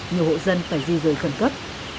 nhiều hộ dân phải di rời khẩn cấp